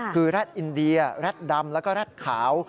คือแร็ดอินเดียแร็ดดำแล้วก็แร็ดขาว